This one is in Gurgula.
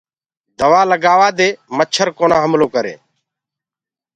دوآ لگآوآ دي مڇر هملو ڪونآ ڪرينٚ۔